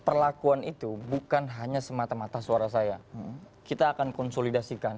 perlakuan itu bukan hanya semata mata suara saya kita akan konsolidasikan